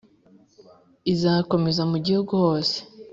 izakomeza mu gihugu hose